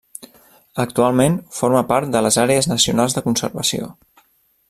Actualment forma part de les àrees nacionals de conservació.